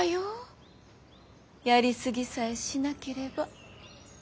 やり過ぎさえしなければ。